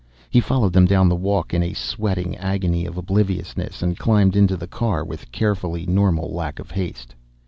He followed them down the walk in a sweating agony of obliviousness, and climbed into the car with carefully normal lack of haste.